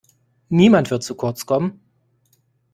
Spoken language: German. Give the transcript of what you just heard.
Niemand wird zu kurz kommen.